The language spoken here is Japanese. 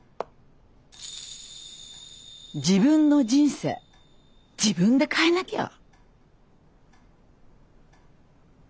「自分の人生自分で変えなきゃ！」。